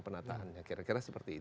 penataannya kira kira seperti itu